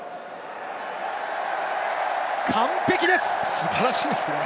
素晴らしいですね。